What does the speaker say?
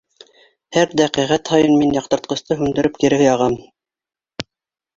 Һәр дәҡиғәт һайын мин яҡтыртҡсты һүндереп кире яғам.